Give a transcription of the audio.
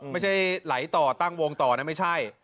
ไม่ใช่ไหลต่อตั้งวงต่อนะไม่ใช่